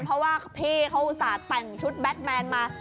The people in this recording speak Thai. เพราะว่าพี่เขาอุตส่าห์แต่งชุดแบทแมนมา